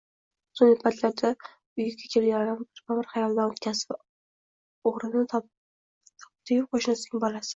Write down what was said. Soʻnggi paytlarda uyiga kelganlarni birma-bir xayolidan oʻtkazdi va oʻgʻrini topdiu qoʻshnining bolasi